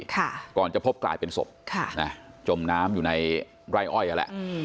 ก่อนจะพบกลายเป็นศพค่ะนะจมน้ำอยู่ในไร่อ้อยนั่นแหละอืม